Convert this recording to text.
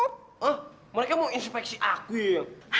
hah mereka mau inspeksi aku yan